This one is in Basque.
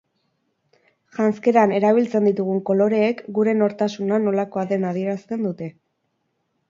Janzkeran erabiltzen ditugun koloreek gure nortasuna nolakoa den adierazten dute.